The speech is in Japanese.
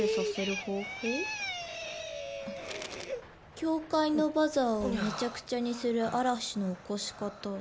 「教会のバザーをめちゃくちゃにする嵐の起こし方」。